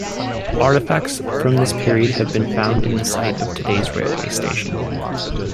Artifacts from this period have been found in the site of today's railway station.